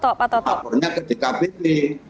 lapornya ke dkpp